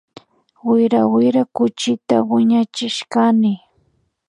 Wira wira kuchita wiñachishkani